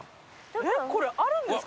えっこれあるんですか？